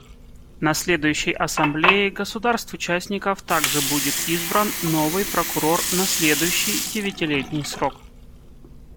На следующей Ассамблее государств-участников также будет избран новый Прокурор на следующий девятилетний срок.